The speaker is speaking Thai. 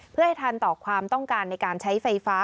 เพื่อให้ทันต่อความต้องการในการใช้ไฟฟ้า